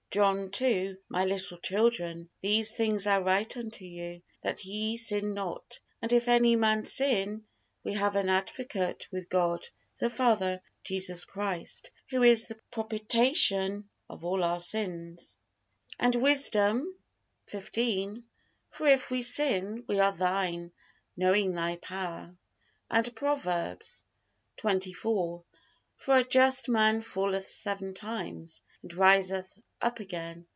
John ii: "My little children, these things I write unto you, that ye sin not. And if any man sin, we have an Advocate with God the Father, Jesus Christ, Who is the propitiation of all our sins." And Wisdom xv: "For if we sin, we are Thine, knowing Thy power." And Proverbs xxiv: "For a just man falleth seven times, and riseth up again."